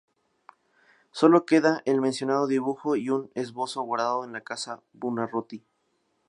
Solo queda el mencionado dibujo y un esbozo guardado en la casa Buonarroti.